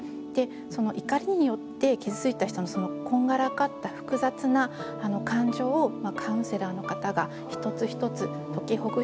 その怒りによって傷ついた人のこんがらかった複雑な感情をカウンセラーの方が一つ一つ解きほぐしている。